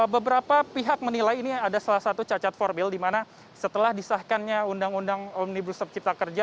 beberapa pihak menilai ini ada salah satu cacat formil dimana setelah disahkannya undang undang omnibus law cipta kerja